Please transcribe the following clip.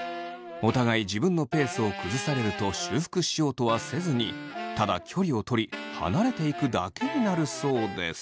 お互い自分のペースを崩されると修復しようとはせずにただ距離をとり離れていくだけになるそうです。